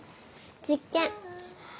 実験。